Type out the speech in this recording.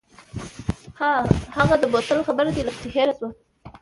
ها د بوتل خبره دې لکه چې هېره شوه.